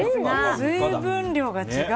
水分量が違う。